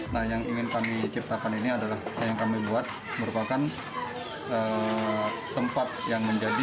nah yang ingin kami ciptakan ini adalah yang kami buat merupakan tempat yang menjadi